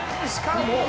しかも！